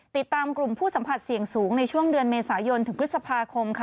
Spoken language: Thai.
ติดตามกลุ่มผู้สัมผัสเสี่ยงสูงในช่วงเดือนเมษายนถึงพฤษภาคมค่ะ